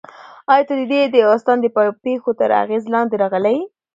ایا ته د دې داستان د پېښو تر اغېز لاندې راغلی یې؟